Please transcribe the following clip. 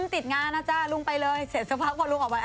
ติดงานนะจ๊ะลุงไปเลยเสร็จสักพักพอลุงออกไป